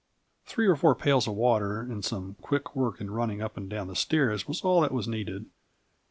Three or four pails of water and some quick work in running up and down the stairs was all that was needed.